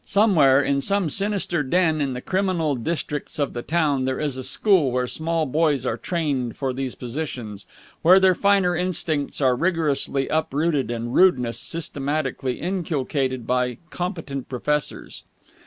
Somewhere, in some sinister den in the criminal districts of the town, there is a school where small boys are trained for these positions, where their finer instincts are rigorously uprooted and rudeness systematically inculcated by competent professors.